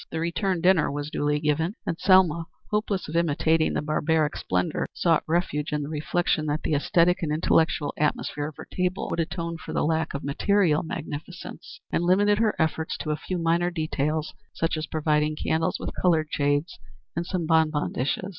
The return dinner was duly given, and Selma, hopeless of imitating the barbaric splendor, sought refuge in the reflection that the æsthetic and intellectual atmosphere of her table would atone for the lack of material magnificence, and limited her efforts to a few minor details such as providing candles with colored shades and some bonbon dishes.